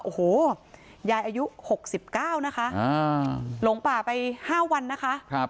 โอ้โหยายอายุ๖๙นะคะหลงป่าไป๕วันนะคะ